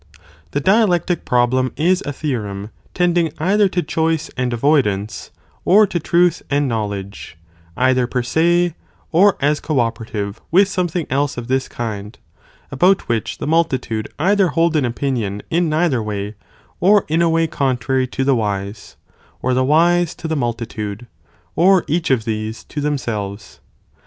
Tue dialectic problem is a theorem* tending . Definition either to choice and avoidance,f or to truth and of the dialectiq knowledge,t either per se§ or as co operative Ὁ rheword ta: with something else of this kind,| about which ovmbem Sty the multitude either hold an opinion in neither ¢irnuc, and way, or in ἃ way contrary to the wise, or the wise to the multitude, or each of these to them selves.!